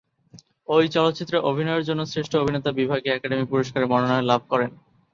এই চলচ্চিত্রে অভিনয়ের জন্য শ্রেষ্ঠ অভিনেতা বিভাগে একাডেমি পুরস্কারের মনোনয়ন লাভ করেন।